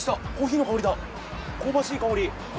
香ばしい香り。